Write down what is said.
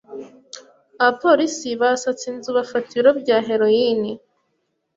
Abapolisi basatse inzu bafata ibiro bya heroine.